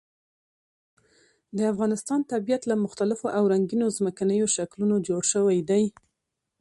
د افغانستان طبیعت له مختلفو او رنګینو ځمکنیو شکلونو جوړ شوی دی.